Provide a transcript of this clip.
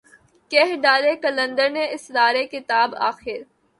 کہہ ڈالے قلندر نے اسرار کتاب آخر